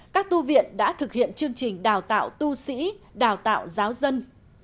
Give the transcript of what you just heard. các tu viện đã thực hiện chương trình đào tạo tu sĩ đào tạo giáo dân